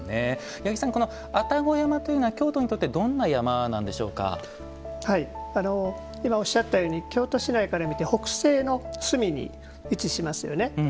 八木さん、この愛宕山というのは京都にとって今おっしゃったように京都市内から見て北西の隅に位置しますよね。